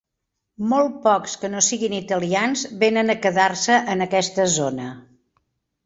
Molts pocs que no siguin italians venen a quedar-se en aquesta zona.